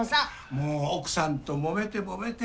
もう奥さんともめてもめて。